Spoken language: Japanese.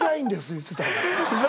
言うてたわ。